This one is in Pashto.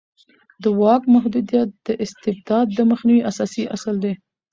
د واک محدودیت د استبداد د مخنیوي اساسي اصل دی